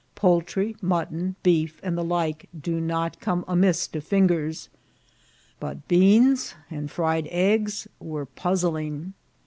Poultry, mutton, beef^ and the like, do hot come amiss to fingers, but beans and firied eggs were puazling.